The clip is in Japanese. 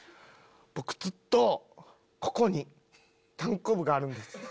僕ずっとここにたんこぶがあるんです」。